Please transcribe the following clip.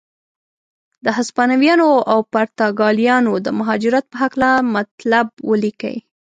د هسپانویانو او پرتګالیانو د مهاجرت په هکله مطلب ولیکئ.